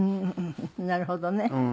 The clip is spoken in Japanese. なるほどね。